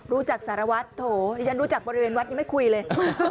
รู้จักสารวัฒน์โถดิฉันรู้จักบริเวณวัฒน์ยังไม่คุยเลย